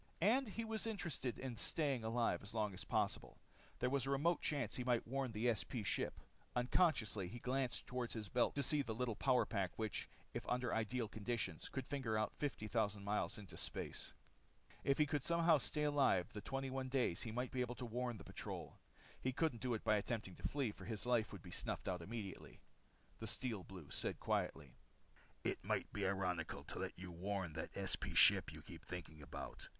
And he was interested in staying alive as long as possible. There was a remote chance he might warn the SP ship. Unconsciously, he glanced toward his belt to see the little power pack which, if under ideal conditions, could finger out fifty thousand miles into space. If he could somehow stay alive the 21 days he might be able to warn the patrol. He couldn't do it by attempting to flee, for his life would be snuffed out immediately. The Steel Blue said quietly: "It might be ironical to let you warn that SP ship you keep thinking about.